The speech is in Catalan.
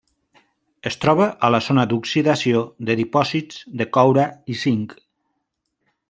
Es troba a la zona d'oxidació de dipòsits de coure i zinc.